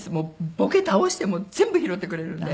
ボケ倒しても全部拾ってくれるので。